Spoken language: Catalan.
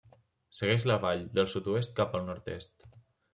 Segueix la vall, del sud-oest cap al nord-est.